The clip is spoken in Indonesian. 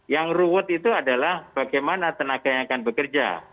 yang ruwet itu adalah bagaimana tenaga yang akan bekerja